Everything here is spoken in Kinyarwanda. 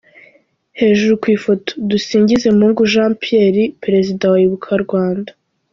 Hejuru ku ifoto:Dusingizemungu Jean Pierre Perezida wa Ibuka-Rwanda.